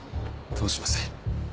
どうします？